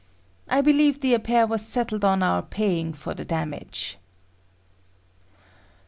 I believe the affair was settled on our paying for the damage.